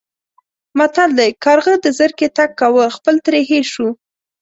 متل دی: کارغه د زرکې تګ کاوه خپل ترې هېر شو.